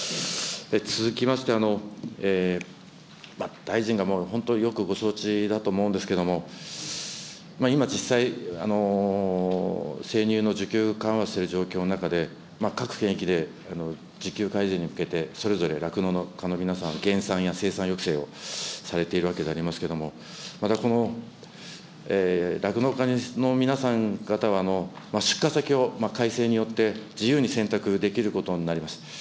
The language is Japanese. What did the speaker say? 続きまして、大臣がもう本当、よくご承知だと思うんですけれども、今、実際、生乳の需給が緩和している状況の中で、で需給改善に向けてそれぞれ酪農家の皆さん、減産や生産抑制をされているわけでありますけれども、またこの酪農家の皆さん方は、出荷先を改正によって自由に選択できることになります。